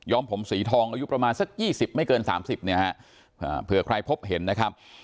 ผมสีทองอายุประมาณสัก๒๐ไม่เกิน๓๐เนี่ยฮะเผื่อใครพบเห็นนะครับ